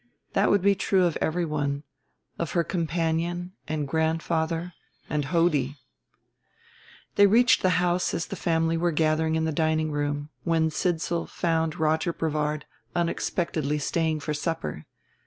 That would be true of everyone of her companion and grandfather and Hodie. They reached the house as the family were gathering in the dining room, when Sidsall found Roger Brevard unexpectedly staying for supper.